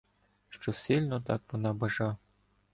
Що сильно так вона бажа.